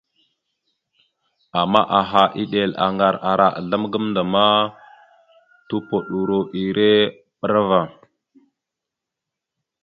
Ama aha, eɗel, aŋgar ara azzlam gamənda ma tupoɗoro ere bra ava.